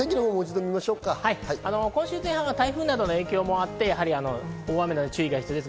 今週前半、台風の影響もあって大雨の注意が必要です。